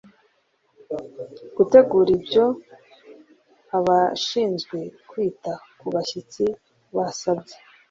Gutegura ibyo abashinzwe kwita ku bashyitsi basabye